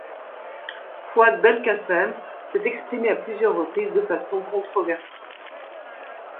Fouad Belkacem s'est exprimé à plusieurs reprises de façon controversée.